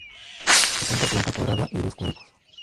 Presenta planta cuadrada y dos cuerpos.